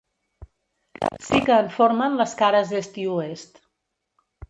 Sí que en formen les cares est i oest.